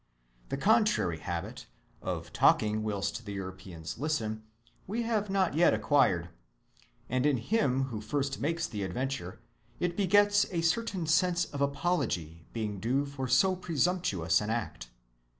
The contrary habit, of talking whilst the Europeans listen, we have not yet acquired; and in him who first makes the adventure it begets a certain sense of apology being due for so presumptuous an act.